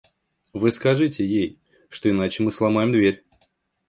Вы скажите ей, что иначе мы сломаем дверь.